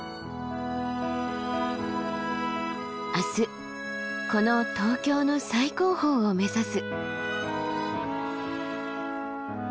明日この東京の最高峰を目指す。